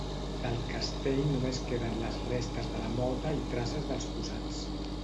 Del castell només queden les restes de la mota i traces dels fossats.